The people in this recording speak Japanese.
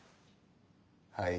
はい。